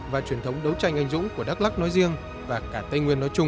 và truyền thống đấu tranh anh dũng của đắk lắc nói riêng và cả tây nguyên nói chung